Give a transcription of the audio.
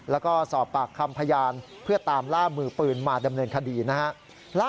แล้วก็สอบปากคำพยานเพื่อตามล่ามือปืนมาดำเนินคดีนะฮะ